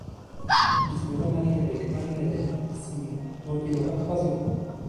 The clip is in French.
Il se remarie avec Marie-Nathalie Simon, dont il aura trois enfants.